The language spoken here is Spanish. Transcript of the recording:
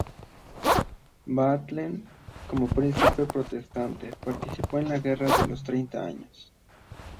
Bethlen, como Príncipe protestante, participó en la Guerra de los Treinta Años.